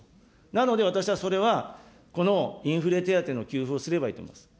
なので私はそれは、このインフレ手当の給付をすればいいと思います。